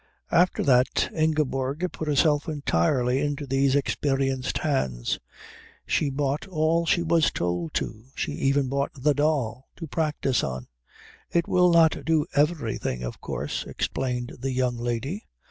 After that Ingeborg put herself entirely into these experienced hands. She bought all she was told to. She even bought the doll to practise on "It will not do everything of course," explained the young lady.